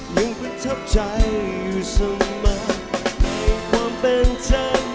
ยังประทับใจอยู่สมัครในความเป็นเธอนั้น